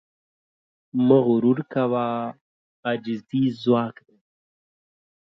مه غرور کوه، عاجزي ځواک دی.